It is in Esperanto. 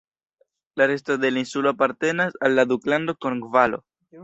La resto de la insulo apartenas al la Duklando Kornvalo.